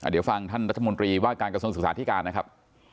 เดี๋ยวฟังท่านรัฐมนตรีว่าการกระทรวงศึกษาธิการนะครับ